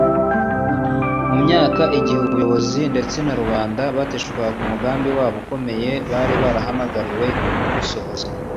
mu myaka y'igihe umuyobozi wabo ndetse na rubanda bateshukaga ku mugambi wabo ukomeye bari barahamagariwe gusohoza